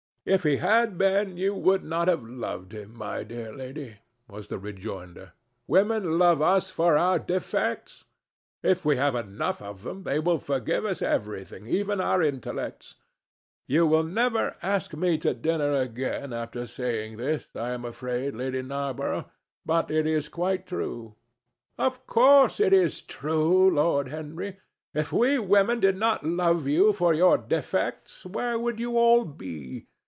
"If he had been, you would not have loved him, my dear lady," was the rejoinder. "Women love us for our defects. If we have enough of them, they will forgive us everything, even our intellects. You will never ask me to dinner again after saying this, I am afraid, Lady Narborough, but it is quite true." "Of course it is true, Lord Henry. If we women did not love you for your defects, where would you all be?